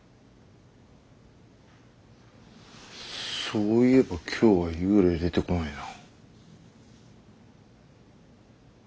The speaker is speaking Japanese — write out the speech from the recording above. そういえば今日は幽霊出てこないな。